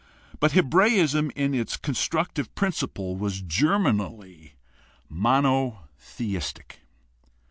But Hebraism in its constructive principle was germinally monotheistic.